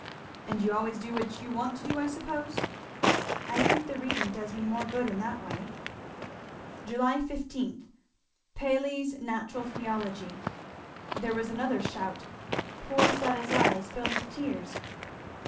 "And you always do what you want to do, I suppose?" "I think the reading does me more good in that way." 'July 15. Paley's Natural Theology!' There was another shout. Poor Fleda's eyes filled with tears.